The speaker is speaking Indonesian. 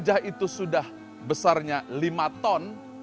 gajah itu sudah besarnya lima ton